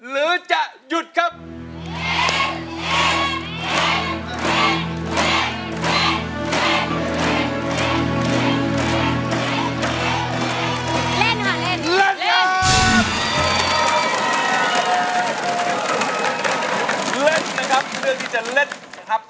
เล่นนะครับเรื่องที่จะเล่นนะครับ